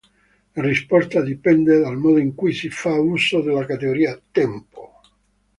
La risposta dipende dal modo in cui si fa uso della categoria "tempo".